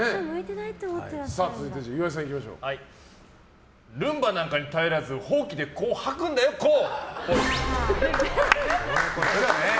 続いて、岩井さんルンバなんかに頼らずほうきでこうはくんだよ、こう！